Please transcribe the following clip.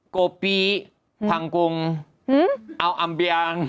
โกปีพังกงอัลอำเบียง